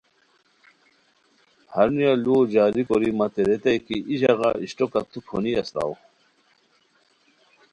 ہرونیہ لوؤ جاری کوری متے ریتائے کی ای ژاغا اشٹوکہ تو پھونی استاؤ